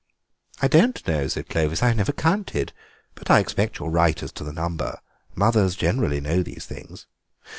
"I don't know," said Clovis, "I've never counted, but I expect you're right as to the number; mothers generally know these things."